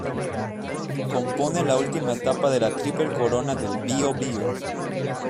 Compone la última etapa de la Triple Corona del Bío-Bío.